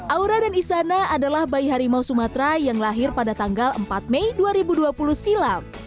aura dan isana adalah bayi harimau sumatera yang lahir pada tanggal empat mei dua ribu dua puluh silam